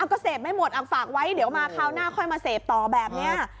ก็เสพไม่หมดฝากไว้เดี๋ยวมาคราวหน้าค่อยมาเสพต่อแบบนี้